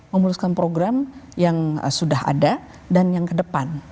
memuluskan program yang sudah ada dan yang ke depan